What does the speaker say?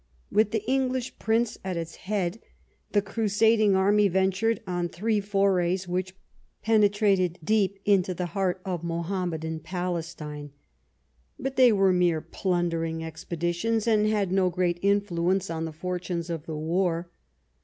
With the English prince at its head, the crusading army ventured on three forays, which penetrated deep into the heart of Mohammedan Palestine. But they were mere plundering expeditions, and had no great influence on the fortunes of the war.